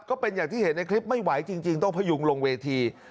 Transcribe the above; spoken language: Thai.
ก็เป็นอย่างที่เห็นในคลิปไม่ไหวจริงต้องพยุงลงเวที